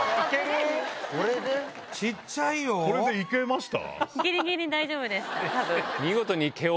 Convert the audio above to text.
これで行けました？